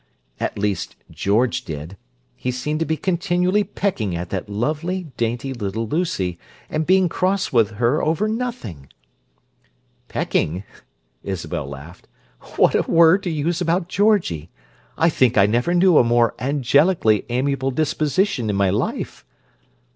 At least George did: he seemed to be continually pecking at that lovely, dainty, little Lucy, and being cross with her over nothing." "Pecking?" Isabel laughed. "What a word to use about Georgie! I think I never knew a more angelically amiable disposition in my life!"